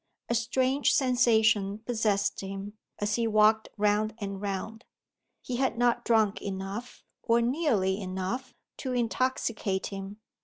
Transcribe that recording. A strange sensation possessed him, as he walked round and round. He had not drunk enough, or nearly enough, to intoxicate him.